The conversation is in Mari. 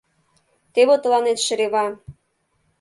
Теве тыланет шерева!